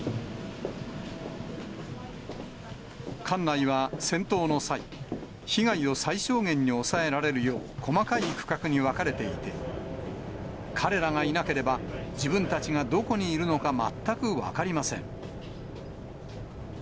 艦内は戦闘の際、被害を最小限に抑えられるよう細かい区画に分かれていて、彼らがいなければ、自分たちがどこにいるのか全く分かりません。